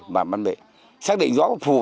và bạn bè xác định rõ phù hợp